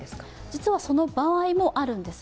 実はその場合もあるんです。